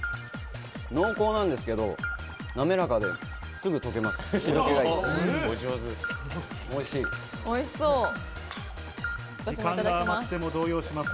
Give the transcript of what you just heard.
濃厚なんですけれどなめらかで、すぐ解けます。